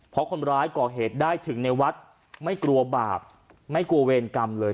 เพราะคนร้ายก่อเหตุได้ถึงในวัดไม่กลัวบาปไม่กลัวเวรกรรมเลย